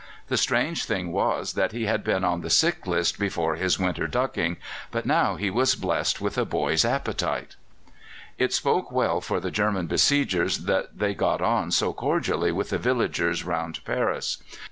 The strange thing was that he had been on the sick list before his winter ducking, but now he was blessed with a boy's appetite. It spoke well for the German besiegers that they got on so cordially with the villagers round Paris.